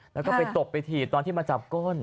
แล้วก็ไปตบไปถีบตอนที่มาจับก้น